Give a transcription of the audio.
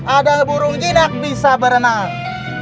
ada burung jinak bisa berenang